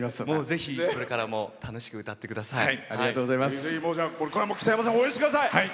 ぜひ、これからも楽しく歌ってください。